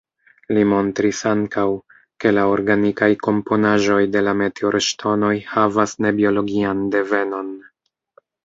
Li montris ankaŭ, ke la organikaj komponaĵoj de la meteorŝtonoj havas ne-biologian devenon.